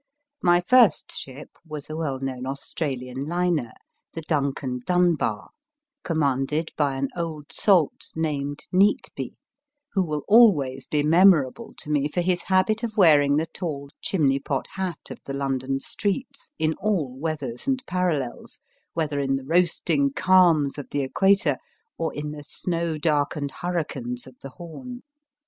My first ship was a well known Australian liner, the Dun can Dunbar, commanded by an old salt, named Neatby, who will always be memorable to me for his habit of wear ing the tall chimney pot hat of the London streets in all weathers and parallels, whether in the roasting calms of the Equator, or in the snow darkened hurricanes of the Horn.